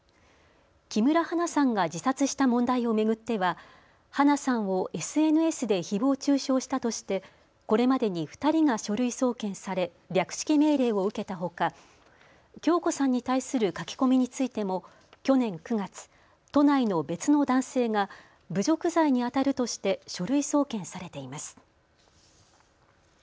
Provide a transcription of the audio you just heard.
木村花さんが自殺した問題を巡っては花さんをＳＮＳでひぼう中傷したとして、これまでに２人が書類送検され略式命令を受けたほか響子さんに対する書き込みについても去年９月、都内の別の男性が侮辱罪にあたるとして書類送検されています。